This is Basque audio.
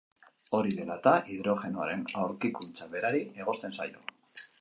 Hori dela-eta, hidrogenoaren aurkikuntza berari egozten zaio.